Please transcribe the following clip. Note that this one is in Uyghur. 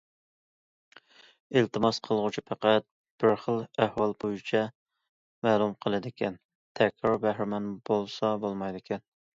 ئىلتىماس قىلغۇچى پەقەت بىر خىل ئەھۋال بويىچە مەلۇم قىلىدىكەن، تەكرار بەھرىمەن بولسا بولمايدىكەن.